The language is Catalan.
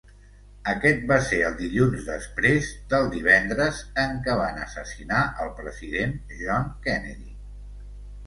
Aquest va ser el dilluns després del divendres en què van assassinar el president John Kennedy.